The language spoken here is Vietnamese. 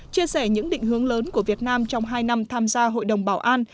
chia sẻ những định hướng lớn của việt nam trong hai năm tham gia hội đồng bảo an